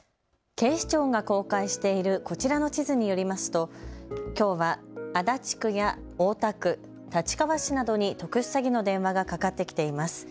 警視庁が公開しているこちらの地図によりますときょうは足立区や大田区、立川市などに特殊詐欺の電話がかかってきています。